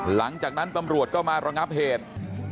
หลังจากนั้นตำรวจก็มาระงับเหตุ